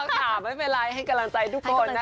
ค่ะไม่เป็นไรให้กำลังใจทุกคนนะคะ